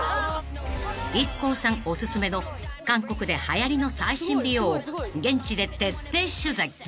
［ＩＫＫＯさんおすすめの韓国ではやりの最新美容を現地で徹底取材］